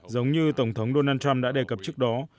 giống như tổng thống donald trump đã đề cập trước đó